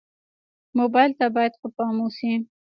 موبایل ته باید ښه پام وشي.